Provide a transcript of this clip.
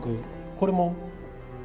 これも。